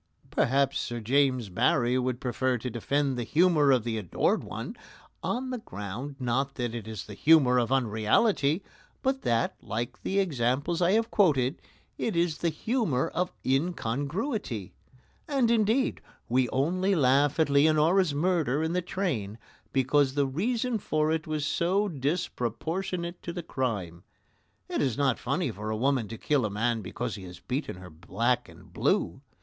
Perhaps Sir James Barrie would prefer to defend the humour of The Adored One on the ground, not that it is the humour of unreality, but that, like the examples I have quoted, it is the humour of incongruity. And, indeed, we only laugh at Leonora's murder in the train because the reason for it was so disproportionate to the crime. It is not funny for a woman to kill a man because he has beaten her black and blue.